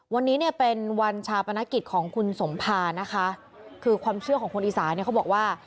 วันนี้เนี่ยเป็นวันชาปนกิจของคุณสมภานะคะคือความเชื่อของคนอีสานเนี่ยเขาบอกว่า